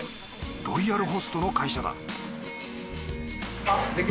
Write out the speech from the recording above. ロイヤルホストの会社だ